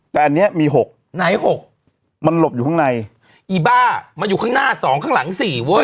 แต่อันนี้มี๖ไหน๖มันหลบอยู่ข้างในอีบ้ามันอยู่ข้างหน้าสองข้างหลังสี่เว้ย